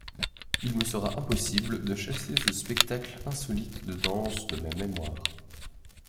Il me sera impossible de chasser ce spectacle insolite de danse de ma mémoire.